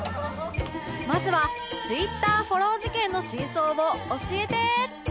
まずは Ｔｗｉｔｔｅｒ フォロー事件の真相を教えて